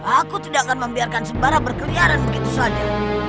aku tidak akan membiarkan sebara berkeliaran begitu saja